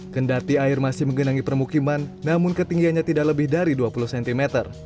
kendati air masih menggenangi permukiman namun ketinggiannya tidak lebih dari dua puluh cm